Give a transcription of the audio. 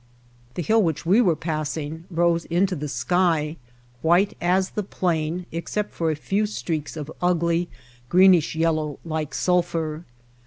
The hill which we were passing rose into the sky, white as the plain except for a few streaks of ugly, greenish yellow like sulphur.